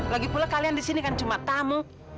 lagi pula kalian disini kan cuma tamu